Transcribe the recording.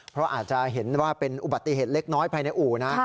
เพราะอาจจะเห็นว่าเป็นอุบัติเหตุเล็กน้อยภายในอู่นะ